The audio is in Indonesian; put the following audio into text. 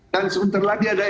dan sebentar lagi ada ekstradisi